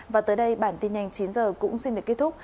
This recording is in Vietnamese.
và tới đây bản tin nhanh chín h cũng xin được kết thúc